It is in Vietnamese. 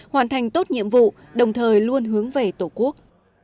hoàn thành tốt nhiệm vụ đồng thời luôn hướng về tổ quốc